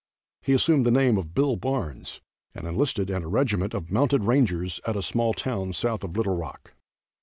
He assumed the name of Bill Barnes, and enlisted in a regiment of mounted rangers at a small town south of Little Rock.